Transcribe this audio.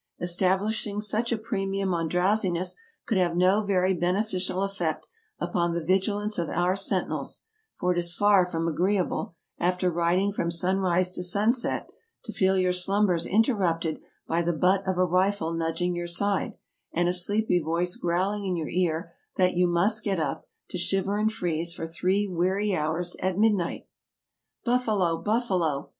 Establishing such a premium on drowsiness could have no very beneficial effect upon the vigilance of our sentinels; for it is far from agreeable, after riding from sun rise to sunset, to feel your slumbers interrupted by the butt of a rifle nudging your side, and a sleepy voice growling in your ear that you must get up, to shiver and freeze for three weary hours at midnight. " Buffalo! buffalo!